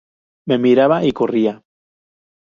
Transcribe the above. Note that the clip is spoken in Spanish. Me miraba y corría.